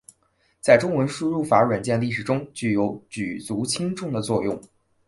在中文输入法软件历史中具有举足轻重的作用。